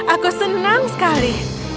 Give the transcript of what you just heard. aku senang sekali